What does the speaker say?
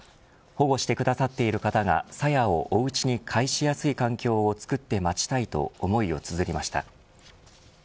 保護してくださっている方がさやをおうちに返しやすい環境を作って待ちたいという思いをつづりました。